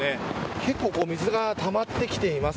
結構水がたまってきています。